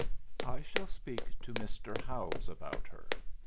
I shall speak to Mr. Howells about her.